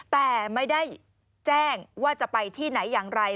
แต่ไม่ได้แจ้งว่าจะไปที่ไหนอย่างไร